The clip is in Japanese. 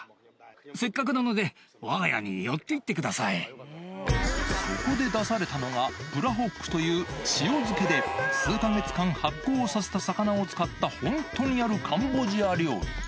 せっかくなので、そこで出されたのが、プラホックという、塩漬けで数か月間発酵させた魚を使った、本当にあるカンボジア料理。